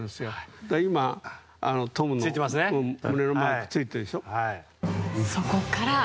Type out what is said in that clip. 今、トムの胸のマークついてるでしょ。